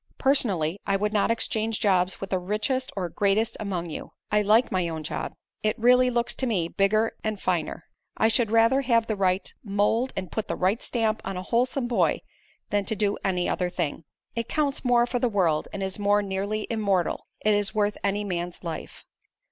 Personally, I would not exchange jobs with the richest or greatest among you. I like my own job. It really looks to me, bigger and finer. I should rather have the right mold and put the right stamp on a wholesome boy than to do any other thing. It counts more for the world and is more nearly immortal. It is worth any man's life."